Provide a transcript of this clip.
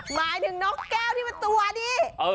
หมายถึงนกแก้วที่มันตัวดี